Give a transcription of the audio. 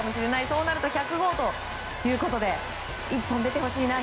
そうなると１００号ということで１本出てほしいな。